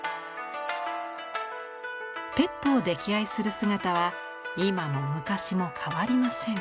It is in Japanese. ぺットを溺愛する姿は今も昔も変わりません。